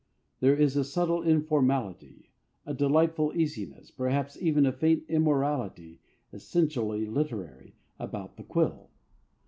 There is a subtle informality, a delightful easiness, perhaps even a faint immorality essentially literary, about the quill.